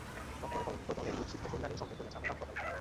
তৎপরে পদতলে নিক্ষিপ্ত করিয়া এই সঙ্কেত করিয়াছে, আমার নাম পদ্মাবতী।